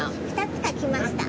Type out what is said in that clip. ２つ描きました。